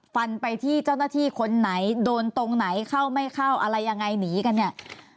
ฟันไปที่เจ้าหน้าที่คนไหนโดนตรงไหนเข้าไม่เข้าอะไรยังไงหนีกันเนี่ย